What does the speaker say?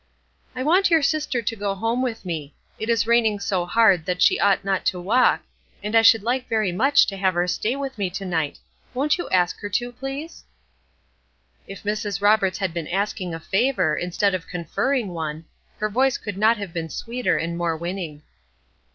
"I want your sister to go home with me. It is raining so hard that she ought not to walk, and I should like very much to have her stay with me to night. Won't you ask her to, please?" If Mrs. Roberts had been asking a favor, instead of conferring one, her voice could not have been sweeter and more winning.